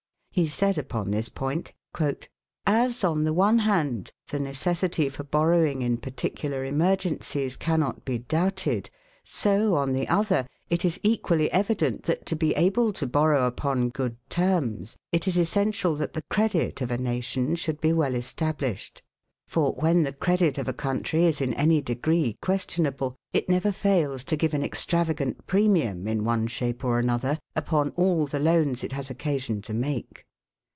He said upon this point: "As, on the one hand, the necessity for borrowing in particular emergencies cannot be doubted, so, on the other, it is equally evident that to be able to borrow upon good terms, it is essential that the credit of a nation should be well established. For, when the credit of a country is in any degree questionable, it never fails to give an extravagant premium, in one shape or another, upon all the loans it has occasion to make.